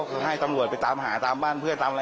เจ็บเลยว่า